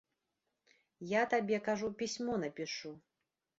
Я табе, кажу, пісьмо напішу.